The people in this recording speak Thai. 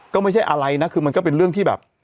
ก็ไม่ใช่อะไรนะคือมันก็เป็นเรื่องที่แบบ